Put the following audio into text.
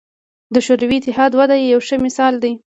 د شوروي اتحاد وده یې یو ښه مثال دی.